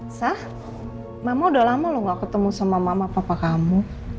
elsa mama udah lama lu nggak ketemu sama mama papa kamu